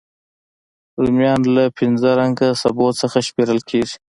رومیان له پینځه رنګه سبو څخه شمېرل کېږي